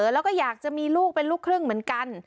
แล้วก็อยากจะมีลูกเป็นลูกครึ่งเหมือนกัน